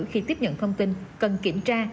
khi tiếp nhận thông tin cần kiểm tra